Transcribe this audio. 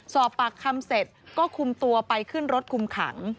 สอบปากคำเสร็จก็คุมตัวไปขึ้นรถคุมขัง